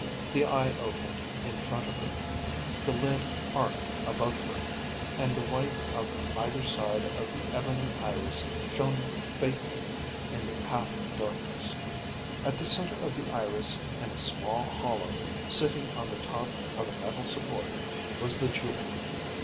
The eye opened in front of her. The lid arced above her, and the white of either side of the ebony iris shone faintly in the half darkness. At the center of the iris, in a small hollow, sitting on the top of a metal support, was the jewel.